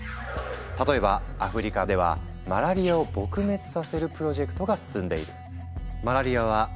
例えばアフリカではマラリアを撲滅させるプロジェクトが進んでいる。